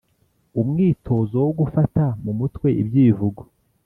Umwitozo wo gufata mu mutwe ibyivugo